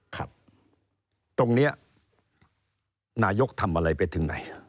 ครับตรงนี้นายกทำอะไรไปถึงไหน